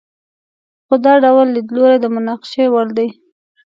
خو دا ډول لیدلوری د مناقشې وړ دی.